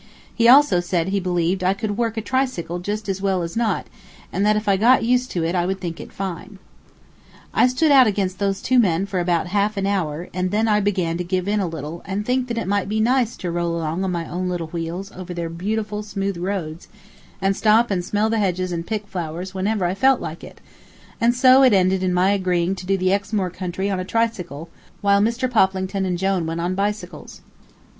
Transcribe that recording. He also said he believed I could work a tricycle just as well as not, and that if I got used to it I would think it fine. I stood out against those two men for about a half an hour, and then I began to give in a little, and think that it might be nice to roll along on my own little wheels over their beautiful smooth roads, and stop and smell the hedges and pick flowers whenever I felt like it; and so it ended in my agreeing to do the Exmoor country on a tricycle while Mr. Poplington and Jone went on bicycles.